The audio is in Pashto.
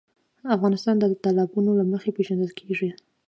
افغانستان د تالابونه له مخې پېژندل کېږي.